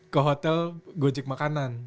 ke hotel gojek makanan